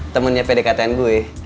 temennya pdktn gue